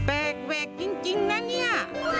แอบแดกจริงนะเนี้ย